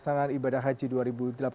dan berjumlah meter